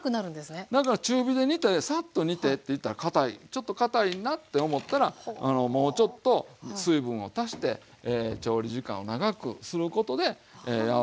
だから中火で煮てさっと煮てっていったらかたいちょっとかたいなって思ったらもうちょっと水分を足して調理時間を長くすることで柔らかくもできますよね。